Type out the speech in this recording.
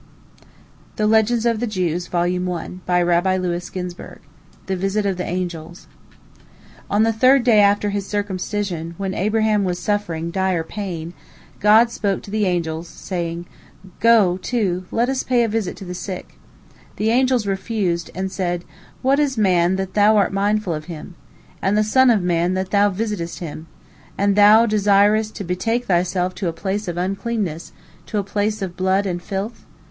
THE VISIT OF THE ANGELS On the third day after his circumcision, when Abraham was suffering dire pain, God spoke to the angels, saying, "Go to, let us pay a visit to the sick." The angels refused, and said: "What is man, that Thou art mindful of him? And the son of man, that Thou visitest him? And Thou desirest to betake Thyself to a place of uncleanness, a place of blood and filth?"